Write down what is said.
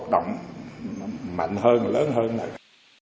trong năm hai nghìn bốn trần công cũng có địa phương